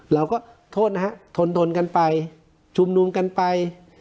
เราก็โทษนะฮะทนทนกันไปชุมนุมกันไป